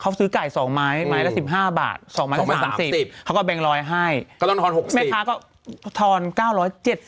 ขาดทุนเลยเพราะว่าเหมือนเยอะเจอกับตัวเลย